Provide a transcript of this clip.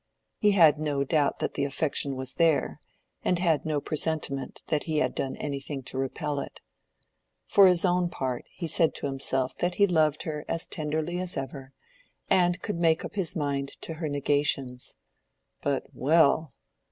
He had no doubt that the affection was there, and had no presentiment that he had done anything to repel it. For his own part he said to himself that he loved her as tenderly as ever, and could make up his mind to her negations; but—well!